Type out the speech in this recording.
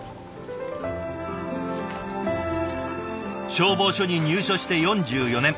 消防署に入署して４４年。